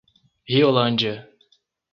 Riolândia